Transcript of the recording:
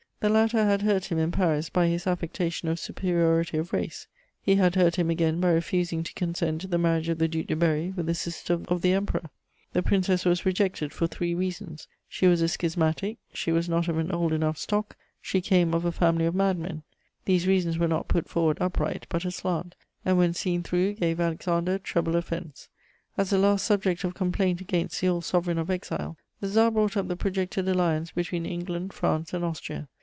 the latter had hurt him, in Paris, by his affectation of superiority of race; he had hurt him again by refusing to consent to the marriage of the Duc de Berry with a sister of the Emperor; the Princess was rejected for three reasons: she was a schismatic; she was not of an old enough stock; she came of a family of madmen: these reasons were not put forward upright but aslant, and, when seen through, gave Alexander treble offense. As a last subject of complaint against the old sovereign of exile, the Tsar brought up the projected alliance between England, France and Austria.